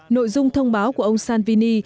nội dung thông báo của ông salvini